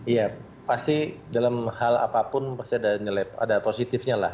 iya pasti dalam hal apapun pasti ada positifnya lah